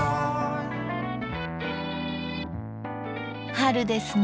春ですね。